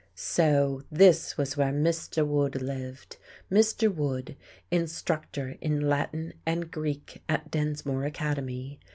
So this was where Mr. Wood lived! Mr. Wood, instructor in Latin and Greek at Densmore Academy.